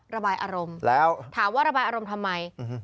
ระบายอารมณ์แล้วถามว่าระบายอารมณ์ทำไม